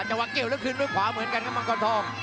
จังหวะเกี่ยวแล้วคืนด้วยขวาเหมือนกันครับมังกรทอง